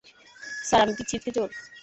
Sir, আমি কি ছিঁচকে চোর?